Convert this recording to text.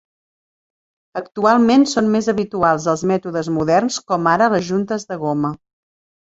Actualment són més habituals els mètodes moderns com ara les juntes de goma.